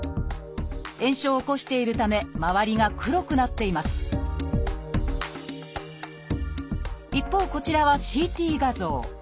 炎症を起こしているため周りが黒くなっています一方こちらはＣＴ画像。